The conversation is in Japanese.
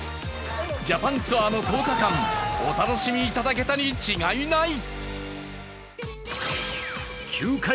ジャパンツアーの１０日間お楽しみいただけたに違いない。